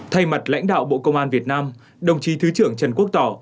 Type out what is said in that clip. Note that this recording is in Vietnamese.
thay mặt lãnh đạo bộ công an việt nam đồng chí thứ trưởng trần quốc tỏ